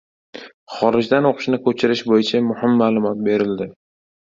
Xorijdan o‘qishni ko‘chirish bo‘yicha muhim ma’lumot berildi